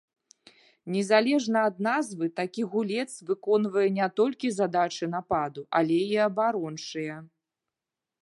Незалежна ад назвы такі гулец выконвае не толькі задачы нападу, але і абарончыя.